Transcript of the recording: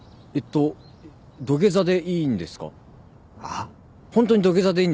ホントに土下座でいいんですか？